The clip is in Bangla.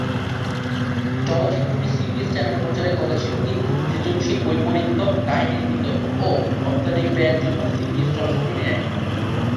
চলচ্চিত্রটি সিবিএস চ্যানেলে প্রচারের কথা ছিল, কিন্তু সৃজনশীল বৈপরীত্য, কাহিনির বিতর্ক, ও অত্যধিক ব্যয়ের জন্য সিবিএস চলচ্চিত্রটি নেয়নি।